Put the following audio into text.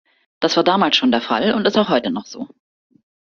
Das war damals schon der Fall und ist auch heute noch so.